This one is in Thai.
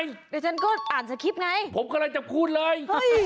เดี๋ยวฉันก็อ่านสคริปต์ไงผมกำลังจะพูดเลย